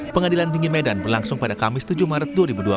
pengadilan tinggi medan berlangsung pada kamis tujuh maret dua ribu dua puluh